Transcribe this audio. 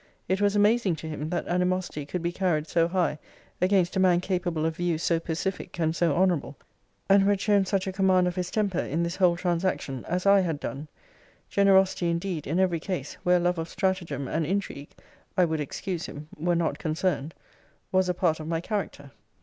It was amazing to him, that animosity could be carried so high against a man capable of views so pacific and so honourable, and who had shown such a command of his temper, in this whole transaction, as I had done. Generosity, indeed, in every case, where love of stratagem and intrigue (I would excuse him) were not concerned, was a part of my character.